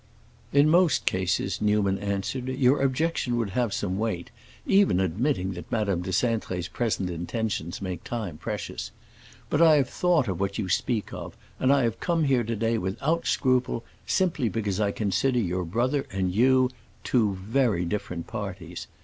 "In most cases," Newman answered, "your objection would have some weight, even admitting that Madame de Cintré's present intentions make time precious. But I have thought of what you speak of, and I have come here to day without scruple simply because I consider your brother and you two very different parties.